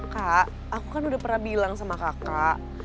kak aku kan udah pernah bilang sama kakak